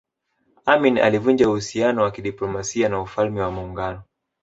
Amin alivunja uhusiano wa kidiplomasia na Ufalme wa Maungano